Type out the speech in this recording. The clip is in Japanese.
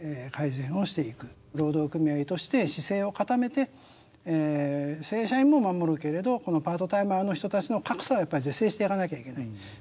労働組合として姿勢を固めて正社員も守るけれどこのパートタイマーの人たちの格差はやっぱり是正していかなきゃいけない。